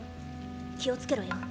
気をつけろよ。